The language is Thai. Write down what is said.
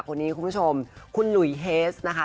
คุณผู้ชมคุณหลุยเฮสนะคะ